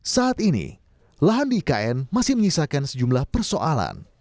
saat ini lahan di ikn masih menyisakan sejumlah persoalan